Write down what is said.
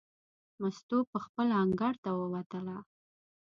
مستو پخپله انګړ ته ووتله.